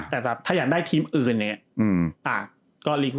แต่ถ้าอยากได้ทีมอื่นอย่างนี้